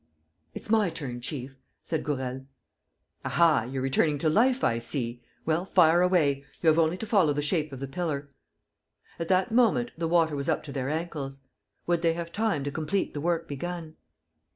"It's my turn, chief!" said Gourel. "Aha, you're returning to life, I see! Well, fire away! ... You have only to follow the shape of the pillar." At that moment, the water was up to their ankles. Would they have time to complete the work begun?